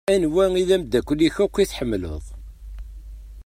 Anwa i d-amdakel-ik akk i tḥemmleḍ?